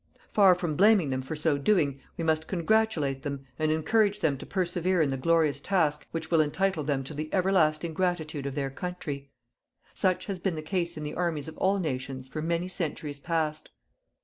Far from blaming them for so doing, we must congratulate them and encourage them to persevere in the glorious task which will entitle them to the everlasting gratitude of their country. Such has been the case in the armies of all nations for many centuries past.